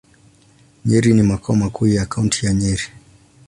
Nyeri ni makao makuu ya Kaunti ya Nyeri.